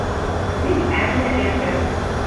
Ик ӓрня эртӓ.